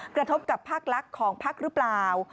กระทบกับภาคลักษณ์ของพักหรือเปล่า